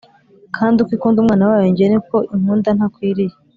Kandi uko ikunda umwana wayo njye niko inkunda ntakwiriye